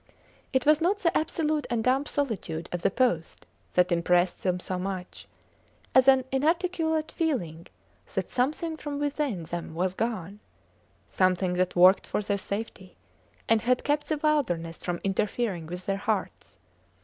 It was not the absolute and dumb solitude of the post that impressed them so much as an inarticulate feeling that something from within them was gone, something that worked for their safety, and had kept the wilderness from interfering with their hearts.